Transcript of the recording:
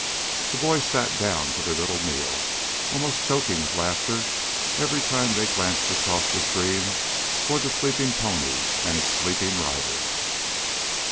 The boys sat down to their little meal, almost choking with laughter every time they glanced across the stream toward the sleeping pony and its sleeping rider.